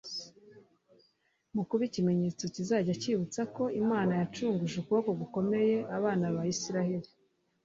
Mu kuba ikimenyetso kizajya cyibutsa uko Imana yacuruguje ukuboko gukomeye abana b'Isirayeli;